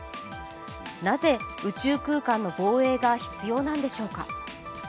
なぜ宇宙空間の防衛が必要なのでしょうか。